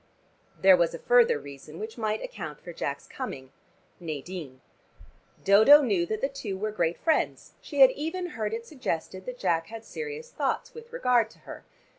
There was a further reason which might account for Jack's coming: Nadine. Dodo knew that the two were great friends. She had even heard it suggested that Jack had serious thoughts with regard to her.